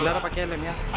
jidara pakai helm ya